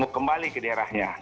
mau kembali ke indonesia